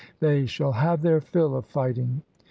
They shall have their fill of fighting."